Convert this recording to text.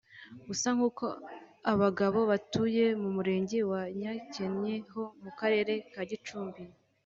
Gusa nkuko abagabo batuye mu murenge wa Nyankenye ho mu karere ka Gucumbi